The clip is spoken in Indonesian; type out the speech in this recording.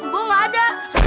bu gak ada